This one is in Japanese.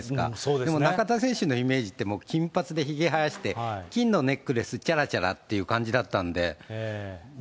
でも中田選手のイメージってもう金髪でひげ生やして、金のネックレスちゃらちゃらって感じだったんで。